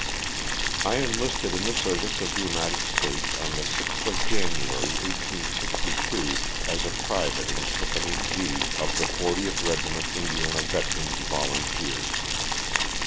I ENLISTED in the service of the United States, on ^ the 6th of January, 1862, as a private in Company D of the 40th Regiment Indiana Veteran Volunteers.